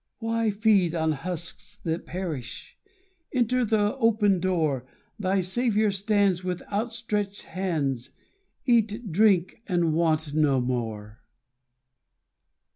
Why feed on husks that perish? Enter the open door. Thy Saviour stands with outstretched hands; Eat, drink, and want no more.